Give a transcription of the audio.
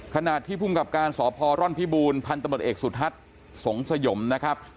ขณะที่ภูมิกับการสพร่อนพิบูรพันธมตเอกสุทัศน์สงสยมนะครับ